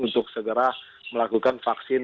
untuk segera melakukan penanganan